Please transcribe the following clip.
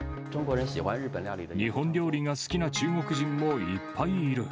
日本料理が好きな中国人もいっぱいいる。